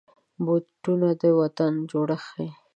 بوټونه د وطن جوړښت ښيي.